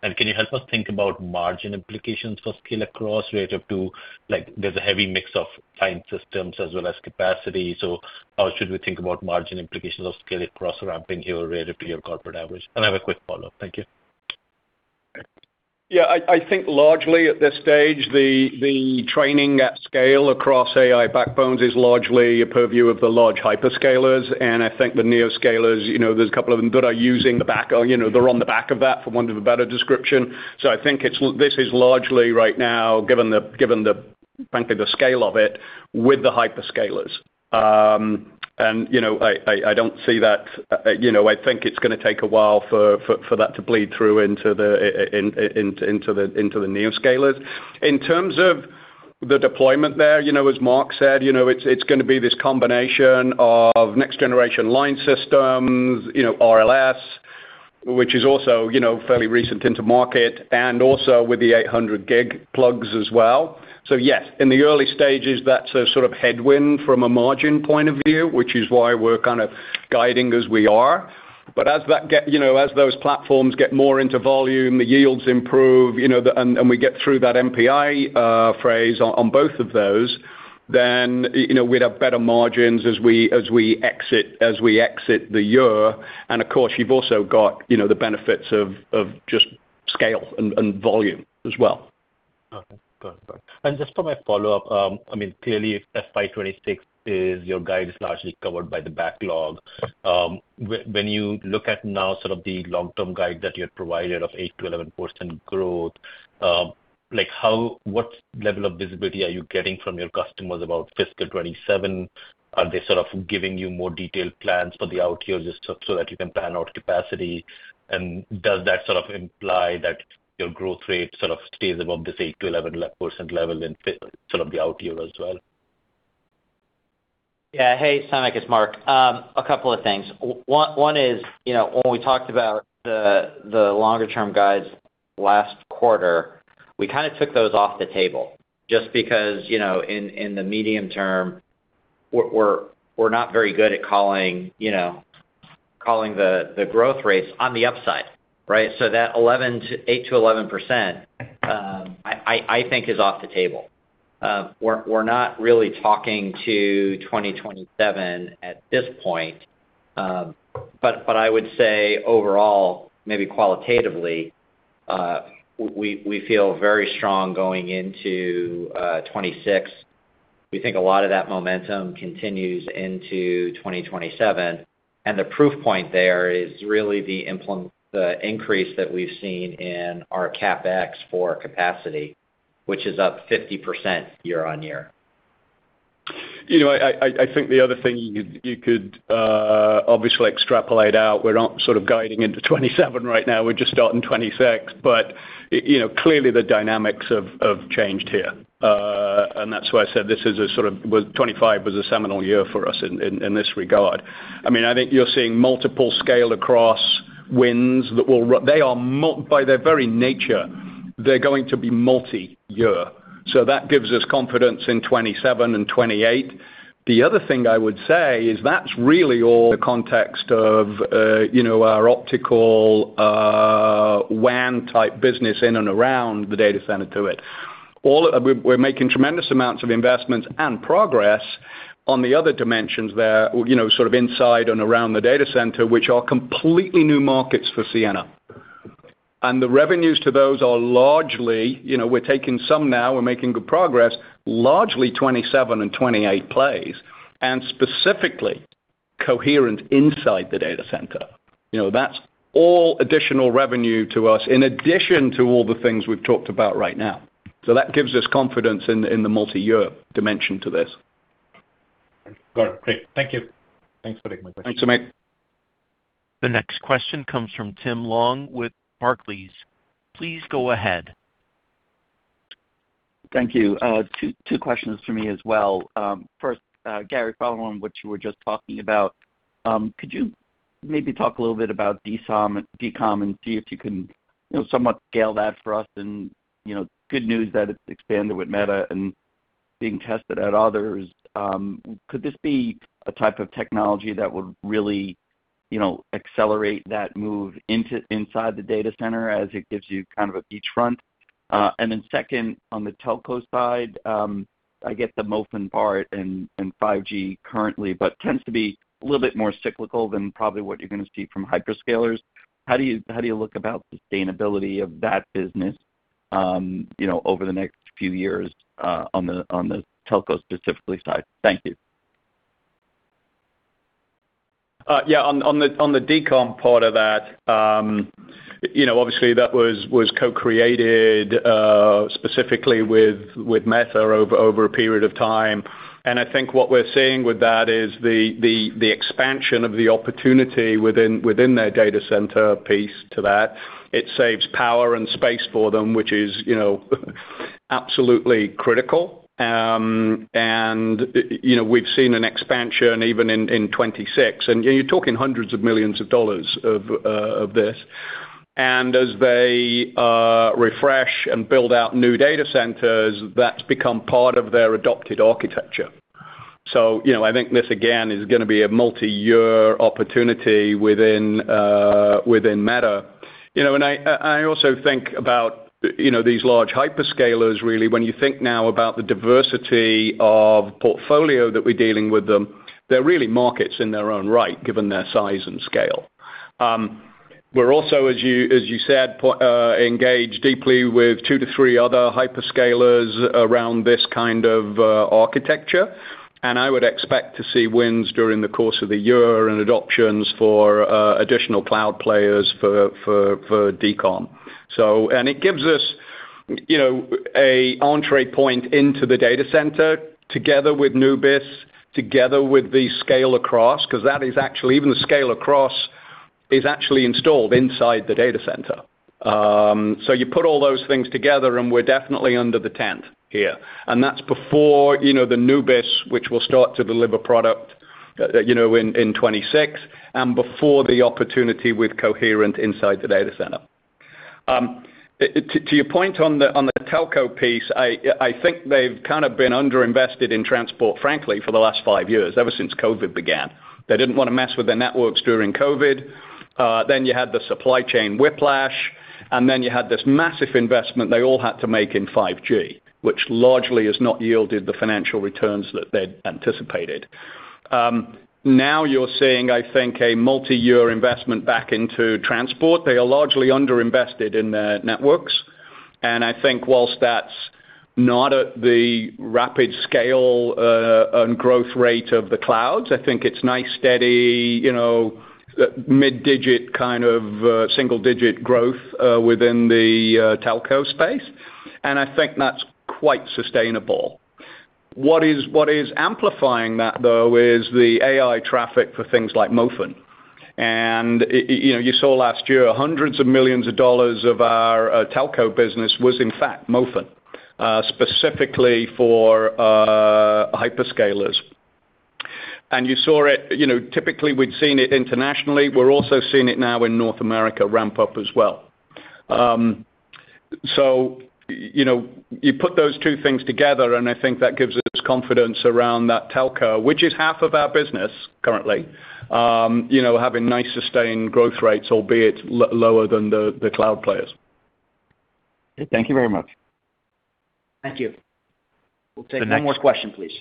And can you help us think about margin implications for Scale-across relative to there's a heavy mix of fiber systems as well as capacity? So how should we think about margin implications of Scale-across ramping here relative to your corporate average? And I have a quick follow-up. Thank you. Yeah. I think largely at this stage, the training at scale across AI backbones is largely a purview of the large hyperscalers. And I think the neoscalers, there's a couple of them that are using the back they're on the back of that, for want of a better description. So I think this is largely right now, given frankly the scale of it, with the hyperscalers. And I don't see that. I think it's going to take a while for that to bleed through into the neoscalers. In terms of the deployment there, as Marc said, it's going to be this combination of next-generation line systems, RLS, which is also fairly recent into market, and also with the 800 gig plugs as well. So yes, in the early stages, that's a sort of headwind from a margin point of view, which is why we're kind of guiding as we are. But as those platforms get more into volume, the yields improve, and we get through that NPI phase on both of those, then we'd have better margins as we exit the year. And of course, you've also got the benefits of just scale and volume as well. Okay. Got it. Got it. And just for my follow-up, I mean, clearly, FY26 is your guide is largely covered by the backlog. When you look at now sort of the long-term guide that you had provided of 8%-11% growth, what level of visibility are you getting from your customers about fiscal 27? Are they sort of giving you more detailed plans for the out year just so that you can plan out capacity? And does that sort of imply that your growth rate sort of stays above this 8%-11% level in sort of the out year as well? Yeah. Hey, Samik. It's Marc. A couple of things. One is when we talked about the longer-term guides last quarter, we kind of took those off the table just because in the medium term, we're not very good at calling the growth rates on the upside, right? So that 8%-11%, I think, is off the table. We're not really talking to 2027 at this point. But I would say overall, maybe qualitatively, we feel very strong going into 2026. We think a lot of that momentum continues into 2027. And the proof point there is really the increase that we've seen in our CapEx for capacity, which is up 50% year on year. I think the other thing you could obviously extrapolate out. We're not sort of guiding into 2027 right now. We're just starting 2026. But clearly, the dynamics have changed here. And that's why I said this is a sort of 2025 was a seminal year for us in this regard. I mean, I think you're seeing multiple scale-across wins that will they are by their very nature, they're going to be multi-year. So that gives us confidence in 2027 and 2028. The other thing I would say is that's really all the context of our optical WAN-type business in and around the data center too. We're making tremendous amounts of investments and progress on the other dimensions there, sort of inside and around the data center, which are completely new markets for Ciena. And the revenues to those are largely we're taking some now. We're making good progress, largely 2027 and 2028 plays, and specifically coherent inside the data center. That's all additional revenue to us in addition to all the things we've talked about right now, so that gives us confidence in the multi-year dimension to this. Got it. Great. Thank you. Thanks for taking my question. Thanks, Samik. The next question comes from Tim Long with Barclays. Please go ahead. Thank you. Two questions for me as well. First, Gary, following on what you were just talking about, could you maybe talk a little bit about DCOM and see if you can somewhat scale that for us? And good news that it's expanded with Meta and being tested at others. Could this be a type of technology that would really accelerate that move inside the data center as it gives you kind of a beachhead? And then second, on the telco side, I get the MOFEN part and 5G currently, but tends to be a little bit more cyclical than probably what you're going to see from hyperscalers. How do you look at sustainability of that business over the next few years on the telco specifically side? Thank you. Yeah. On the DCOM part of that, obviously, that was co-created specifically with Meta over a period of time. And I think what we're seeing with that is the expansion of the opportunity within their data center piece to that. It saves power and space for them, which is absolutely critical. And we've seen an expansion even in 2026. And you're talking $ hundreds of millions of this. And as they refresh and build out new data centers, that's become part of their adopted architecture. So I think this, again, is going to be a multi-year opportunity within Meta. And I also think about these large hyperscalers, really. When you think now about the diversity of portfolio that we're dealing with them, they're really markets in their own right, given their size and scale. We're also, as you said, engaged deeply with two to three other hyperscalers around this kind of architecture. And I would expect to see wins during the course of the year and adoptions for additional cloud players for DCOM. And it gives us an entrée point into the data center together with Nubis, together with the Scale-across, because that is actually even the Scale-across is actually installed inside the data center. So you put all those things together, and we're definitely under the tent here. And that's before the Nubis, which will start to deliver product in 2026, and before the opportunity with coherent inside the data center. To your point on the telco piece, I think they've kind of been underinvested in transport, frankly, for the last five years, ever since COVID began. They didn't want to mess with their networks during COVID. Then you had the supply chain whiplash. And then you had this massive investment they all had to make in 5G, which largely has not yielded the financial returns that they'd anticipated. Now you're seeing, I think, a multi-year investment back into transport. They are largely underinvested in their networks. And I think while that's not at the rapid scale and growth rate of the clouds, I think it's nice, steady, mid-digit kind of single-digit growth within the telco space. And I think that's quite sustainable. What is amplifying that, though, is the AI traffic for things like MOFEN. And you saw last year, $hundreds of millions of our telco business was, in fact, MOFEN, specifically for hyperscalers. And you saw it. Typically, we'd seen it internationally. We're also seeing it now in North America ramp up as well. So you put those two things together, and I think that gives us confidence around that telco, which is half of our business currently, having nice sustained growth rates, albeit lower than the cloud players. Thank you very much. Thank you. We'll take one more question, please.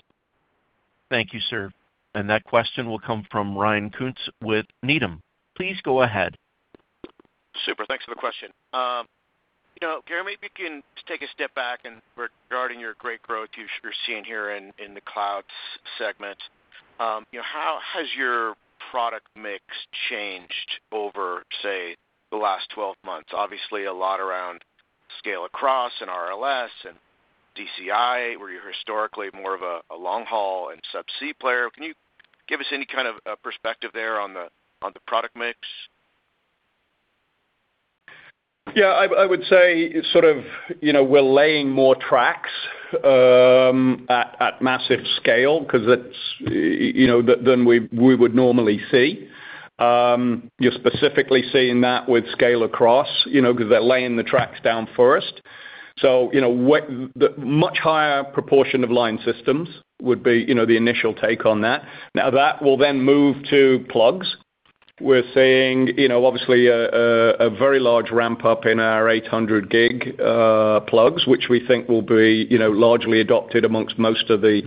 Thank you, sir. And that question will come from Ryan Koontz with Needham. Please go ahead. Super. Thanks for the question. Gary, maybe we can take a step back regarding your great growth you're seeing here in the cloud segment. How has your product mix changed over, say, the last 12 months? Obviously, a lot around scale-across and RLS and DCI, where you're historically more of a long-haul and subsea player. Can you give us any kind of perspective there on the product mix? Yeah. I would say sort of we're laying more tracks at massive scale because that's more than we would normally see. You're specifically seeing that with Scale-across because they're laying the tracks down first, so much higher proportion of line systems would be the initial take on that. Now, that will then move to plugs. We're seeing, obviously, a very large ramp up in our 800 gig plugs, which we think will be largely adopted amongst most of the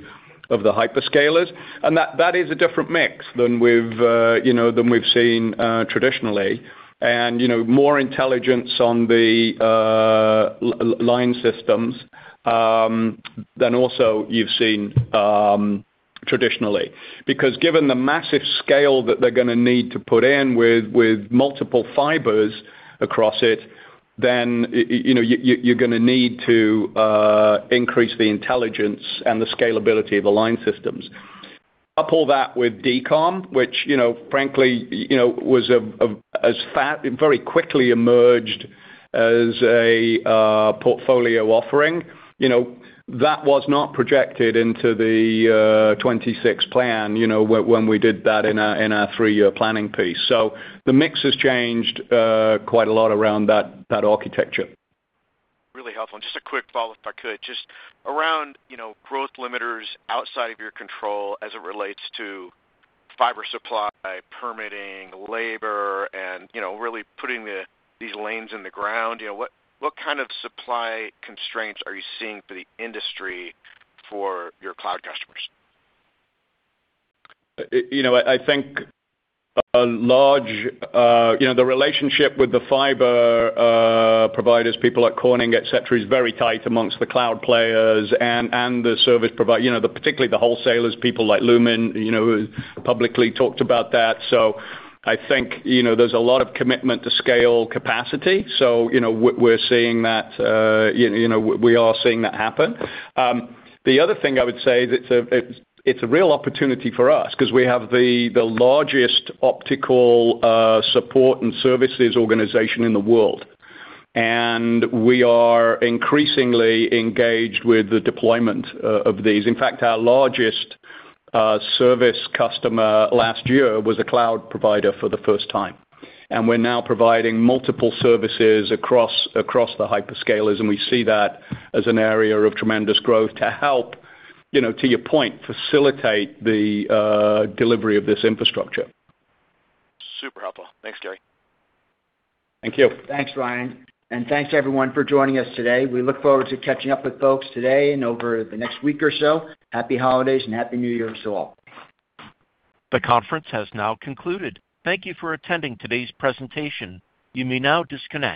hyperscalers. And that is a different mix than we've seen traditionally. And more intelligence on the line systems than also you've seen traditionally. Because given the massive scale that they're going to need to put in with multiple fibers across it, then you're going to need to increase the intelligence and the scalability of the line systems. Couple that with DCOM, which, frankly, was as very quickly emerged as a portfolio offering. That was not projected into the 2026 plan when we did that in our three-year planning piece. So the mix has changed quite a lot around that architecture. Really helpful. And just a quick follow-up, if I could, just around growth limiters outside of your control as it relates to fiber supply, permitting, labor, and really putting these lanes in the ground. What kind of supply constraints are you seeing for the industry for your cloud customers? I think the relationship with the fiber providers, people like Corning, etc., is very tight among the cloud players and the service providers, particularly the wholesalers, people like Lumen, who publicly talked about that. So I think there's a lot of commitment to scale capacity. So we're seeing that happen. The other thing I would say is it's a real opportunity for us because we have the largest optical support and services organization in the world, and we are increasingly engaged with the deployment of these. In fact, our largest service customer last year was a cloud provider for the first time, and we're now providing multiple services across the hyperscalers, and we see that as an area of tremendous growth to help, to your point, facilitate the delivery of this infrastructure. Super helpful. Thanks, Gary. Thank you. Thanks, Ryan, and thanks, everyone, for joining us today. We look forward to catching up with folks today and over the next week or so. Happy holidays and happy New Year to all. The conference has now concluded. Thank you for attending today's presentation. You may now disconnect.